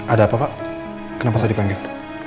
ada apa pak kenapa saya dipanggil